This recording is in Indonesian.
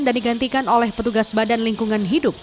dan digantikan oleh petugas badan lingkungan hidup